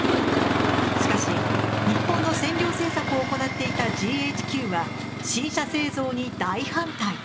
しかし日本の占領政策を行っていたＧＨＱは新車製造に大反対。